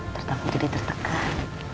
tertakut udah tertekan